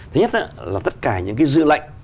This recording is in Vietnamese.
thứ nhất là tất cả những cái dự lệnh